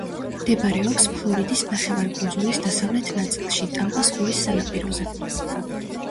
მდებარეობს ფლორიდის ნახევარკუნძულის დასავლეთ ნაწილში, ტამპას ყურის სანაპიროზე.